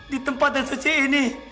di tempat yang suci ini